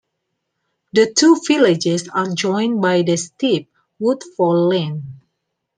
The two villages are joined by the steep Woodfall Lane.